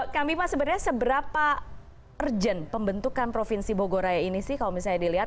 kang bima sebenarnya seberapa urgent pembentukan provinsi bogoraya ini sih kalau misalnya dilihat